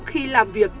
khi làm việc